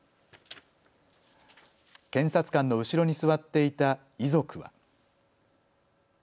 検察官の後ろに座っていた遺族は。